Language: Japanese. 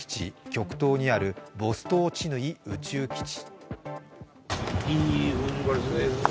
極東にあるボストーチヌイ宇宙基地。